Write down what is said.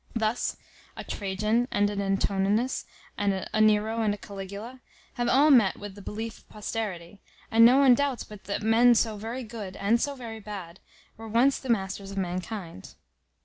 Thus a Trajan and an Antoninus, a Nero and a Caligula, have all met with the belief of posterity; and no one doubts but that men so very good, and so very bad, were once the masters of mankind.